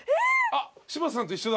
柴田さんと一緒だ。